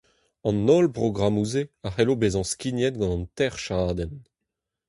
An holl brogrammoù-se a c'hallo bezañ skignet gant an teir chadenn.